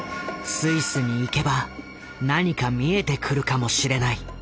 スイスに行けば何か見えてくるかもしれない。